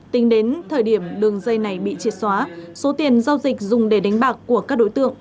tính đến thời điểm đường dây này bị triệt xóa số tiền giao dịch dùng để đánh bạc của các đối tượng